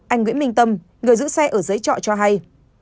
anh nguyễn minh tâm người giữ xe ở giấy trọ cho hay